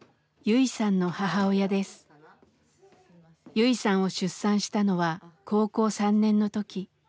ユイさんを出産したのは高校３年の時。